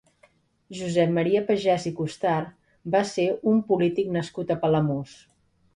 Josep Maria Pagès i Costart va ser un polític nascut a Palamós.